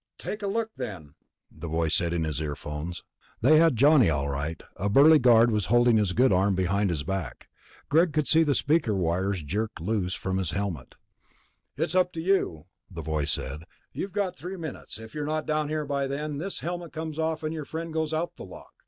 "Take a look, then," the voice said in his earphones. They had Johnny, all right. A burly guard was holding his good arm behind his back. Greg could see the speaker wires jerked loose from his helmet. "It's up to you," the voice said. "You've got three minutes. If you're not down here by then, this helmet comes off and your friend goes out the lock.